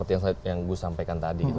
yang saya sampaikan tadi